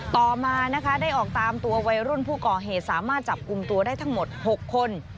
ต่อมานะคะได้ออกตามตัววัยรุ่นผู้ก่อเหตุสามารถจับกลุ่มตัวได้ทั้งหมด๖คน